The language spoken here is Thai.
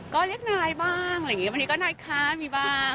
ก็เรียกนายบ้างขนี้ก็ได้นายคะมีบ้าง